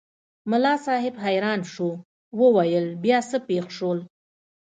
ملا صاحب حیران شو وویل بیا څه پېښ شول؟